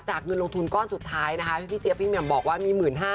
เงินลงทุนก้อนสุดท้ายนะคะที่พี่เจี๊ยพี่แหม่มบอกว่ามี๑๕๐๐